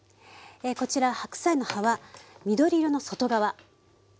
こちら白菜の葉は緑色の外側。